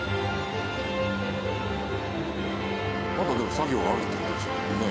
まだでも作業があるって事でしょうね？